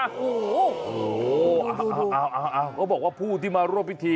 อ้าวก็บอกว่าผู้ที่มาร่วมพิธี